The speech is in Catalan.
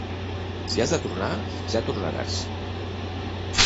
Si has de tornar, ja tornaràs.